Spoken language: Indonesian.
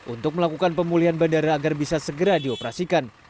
untuk melakukan pemulihan bandara agar bisa segera dioperasikan